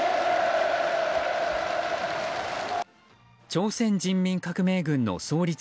朝鮮人民革命軍の創立